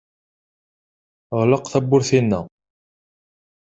Ɣleq tawwurt-inna.